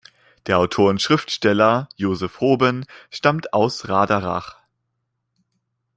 Der Autor und Schriftsteller Josef Hoben stammt aus Raderach.